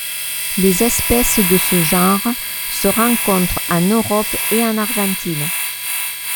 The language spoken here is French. Les espèces de ce genre se rencontrent en Europe et en Argentine.